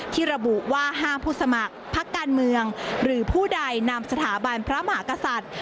ที่ระบุว่าห้ามผู้สมัครพักการเมืองหรือผู้ใดนำสถาบันพระมหากษัตริย์